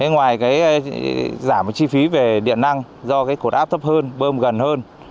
ngoài giảm chi phí về điện năng do cột áp thấp hơn bơm gần hơn